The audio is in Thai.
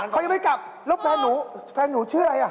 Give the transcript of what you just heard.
เขายังไม่กลับแล้วแฟนหนูแฟนหนูชื่ออะไรอ่ะ